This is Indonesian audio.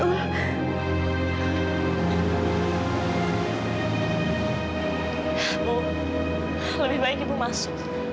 oh lebih baik ibu masuk